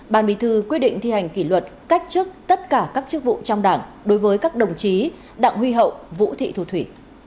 ban bí thư quyết định thi hành kỷ luật cách chức tất cả các chức vụ trong đảng đối với các đồng chí đảng huy hậu vũ thị thu thủy